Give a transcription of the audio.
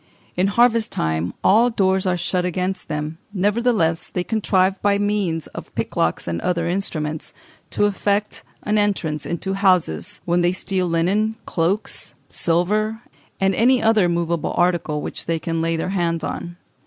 In harvest time all doors are shut against them; nevertheless they contrive, by means of picklocks and other instruments, to effect an entrance into houses, when they steal linen, cloaks, silver, and any other movable article which they can lay their hands on.